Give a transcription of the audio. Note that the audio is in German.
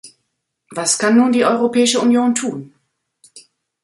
Was kann nun die Europäische Union tun?